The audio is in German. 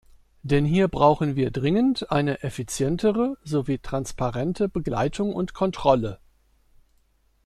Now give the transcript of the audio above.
Denn hier brauchen wir dringend eine effizientere sowie transparente Begleitung und Kontrolle.